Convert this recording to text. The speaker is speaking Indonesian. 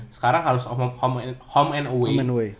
sekarang harus home and away